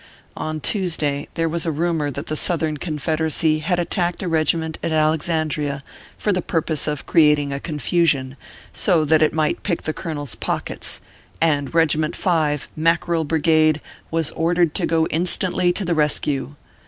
On Tuesday, there was a rumor that the Southern Confederacy had attacked at regiment at Alexandria, for the purpose of creating a confusion, so that it might pick the colonel s pockets, and Regiment 5, Mackerel Brigade, was ordered to go instantly to the rescue.